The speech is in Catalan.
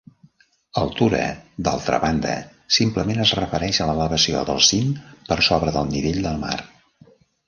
"altura", d'altra banda, simplement es refereix a l'elevació del cim per sobre del nivell del mar.